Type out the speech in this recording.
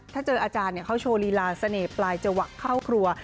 ถ้าเจออาจารย์เขาโชว์ลีลาเสน่ห์ปลายจวะเข้าครัว